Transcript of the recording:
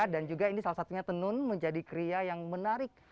juga ini salah satunya tenun menjadi kria yang menarik